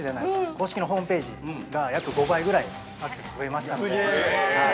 公式のホームページが約５倍ぐらいアクセスが増えましたので。